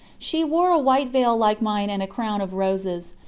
She wore a white veil like mine and a crown of roses.